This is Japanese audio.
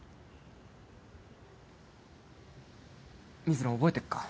水野覚えてっか？